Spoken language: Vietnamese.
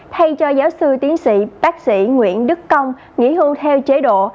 thay cho giáo sư tiến sĩ bác sĩ nguyễn đức công nghỉ hưu theo chế độ